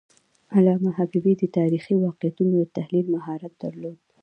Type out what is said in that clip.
علامه حبیبي د تاریخي واقعیتونو د تحلیل مهارت درلود.